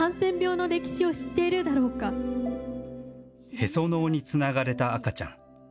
へその緒につながれた赤ちゃん。